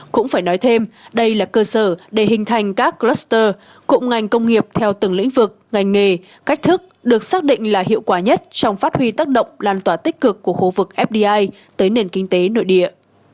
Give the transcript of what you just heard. cũng phải nói thêm đây là cơ sở để hình thành các claster cùng ngành công nghiệp theo từng lĩnh vực ngành nghề cách thức được xác định là hiệu quả nhất trong phát huy tác động lan tỏa tích cực của khu vực fdi tới nền kinh tế nội địa